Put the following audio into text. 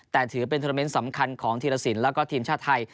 แต่ถือเป็นทศสำคัญของทีละสินแล้วก็ทีมชาติไทย